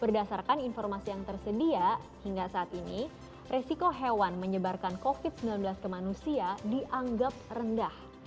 berdasarkan informasi yang tersedia hingga saat ini resiko hewan menyebarkan covid sembilan belas ke manusia dianggap rendah